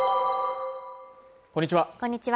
こんにちは